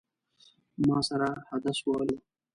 ما سره حدس وهلو.